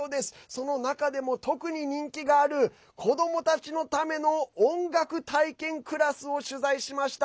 その中でも、特に人気がある子どもたちのための音楽体験クラスを取材しました。